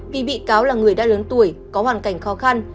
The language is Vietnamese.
vì bị cáo là người đã lớn tuổi có hoàn cảnh khó khăn